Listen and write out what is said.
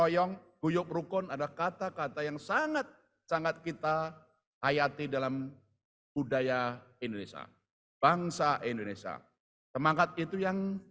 yang sangat sangat kita hayati dalam budaya indonesia bangsa indonesia semangat itu yang